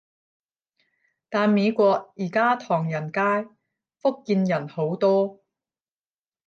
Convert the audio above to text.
但美國而家唐人街，福建人好多